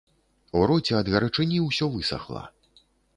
У роце ад гарачыні ўсё высахла.